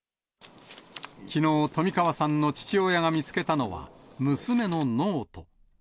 きのう、冨川さんの父親が見つけたのは、娘のノート。